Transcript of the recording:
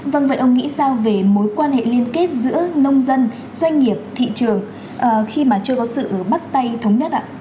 vâng vậy ông nghĩ sao về mối quan hệ liên kết giữa nông dân doanh nghiệp thị trường khi mà chưa có sự bắt tay thống nhất ạ